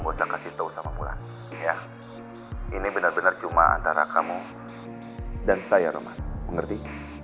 saya kasih tahu sama bulan iya ini benar benar cuma antara kamu dan saya roman mengerti